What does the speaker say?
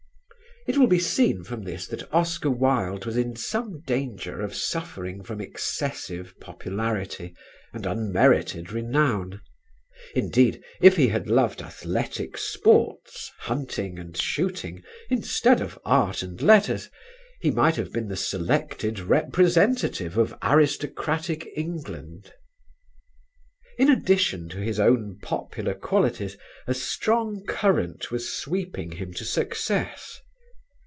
It will be seen from this that Oscar Wilde was in some danger of suffering from excessive popularity and unmerited renown. Indeed if he had loved athletic sports, hunting and shooting instead of art and letters, he might have been the selected representative of aristocratic England. In addition to his own popular qualities a strong current was sweeping him to success.